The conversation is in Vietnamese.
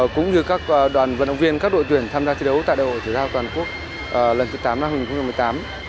cũng như các đoàn vận động viên các đội tuyển tham gia thi đấu tại đại hội thể thao toàn quốc lần thứ tám năm hai nghìn một mươi tám